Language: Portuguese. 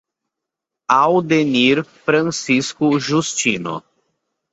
Aldenir Francisco Justino